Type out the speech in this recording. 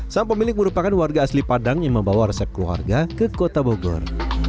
sang pemilik merupakan warga asli padang yang membawa resep keluarga ke kota bogor